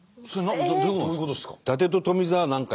どういうことですか？